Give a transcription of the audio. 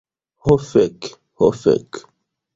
Ho fek. Ho fek.